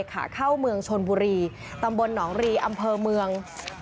ขาเข้าเมืองชนบุรีตำบลหนองรีอำเภอเมือง